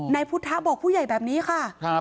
นายพุทธะบอกผู้ใหญ่แบบนี้ค่ะ